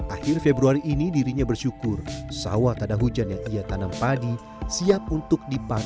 akhir februari ini dirinya bersyukur sawah tanda hujan yang ia tanam padi siap untuk dipakai